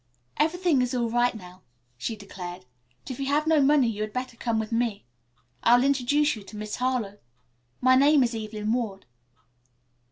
"Everything is all right now," she declared, "but if you have no money you had better come with me. I will introduce you to Miss Harlowe. My name is Evelyn Ward."